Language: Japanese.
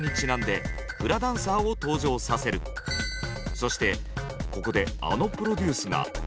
そしてここであのプロデュースが。